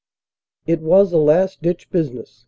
It was a last ditch business.